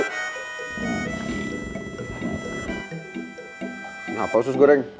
kenapa sus goreng